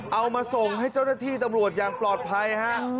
เอามาส่งให้เจ้าหน้าที่ตำรวจอย่างปลอดภัยฮะ